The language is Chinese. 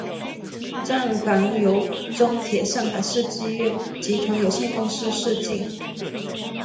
站房由中铁上海设计院集团有限公司设计。